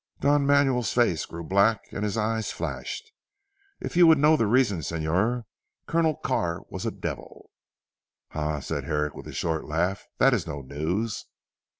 Don Manuel's face grew black and his eyes flashed. "If you would know the reason Señor, Colonel Carr was a devil!" "Ha!" said Herrick with a short laugh. "That is no news."